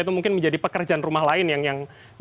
itu mungkin menjadi pekerjaan rumah lain yang